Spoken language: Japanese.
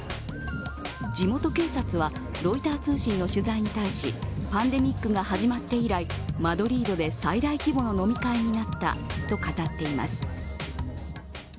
地元警察はロイター通信の取材に対しパンデミックが始まって以来、マドリードで最大規模の飲み会になったと語っています。